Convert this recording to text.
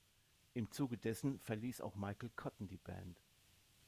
Im Zuge dessen verließ auch Michael Cotten die Band.